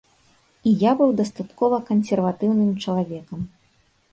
І я быў дастаткова кансерватыўным чалавекам.